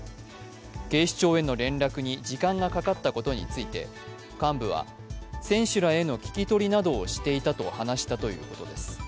警視庁への連絡に時間がかかったことについて幹部は、選手らへの聞き取りなどをしていたと話したということです。